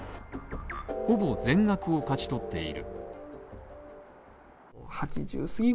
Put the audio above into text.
ほぼ全額を勝ち取っている。